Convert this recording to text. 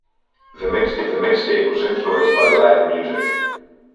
The mixtape was influenced by Latin music.